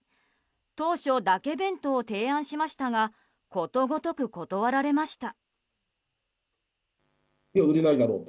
当初、だけ弁当を提案しましたがことごとく断られました。